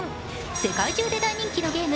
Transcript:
世界中で大人気のゲーム